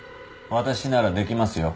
私ならできますよ。